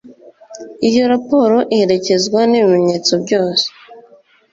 Iyo raporo iherekezwa n ibimenyetso byose